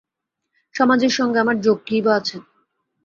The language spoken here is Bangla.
সমাজের সঙ্গে আমার যোগ কীই বা আছে?